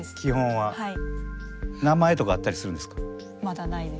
はい。